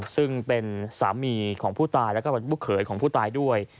ซึ่งเป็นสามีของผู้ตายแล้วก็เป็นลูกเขยของผู้ตายด้วย